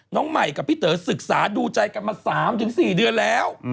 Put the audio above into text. น้องใหม่กับพี่เต๋อศึกษาดูใจกันมา๓๔เดือนแล้ว